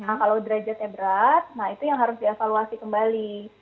nah kalau derajatnya berat nah itu yang harus diavaluasi kembali